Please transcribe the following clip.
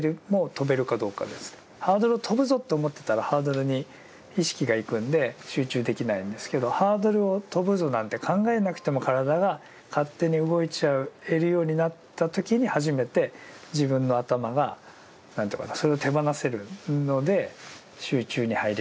ハードルを跳ぶぞと思ってたらハードルに意識が行くんで集中できないんですけどハードルを跳ぶぞなんて考えなくても体が勝手に動いちゃえるようになった時に初めて自分の頭がそれを手放せるので集中に入れるという感じ。